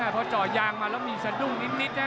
พอเจาะยางมาแล้วมีสะดุ้งนิดนะ